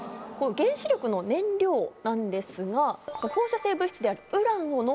原子力発電の燃料なんですが。